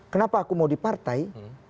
kenapa aku mau di partai